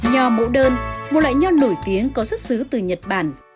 nho mẫu đơn một loại nho nổi tiếng có xuất xứ từ nhật bản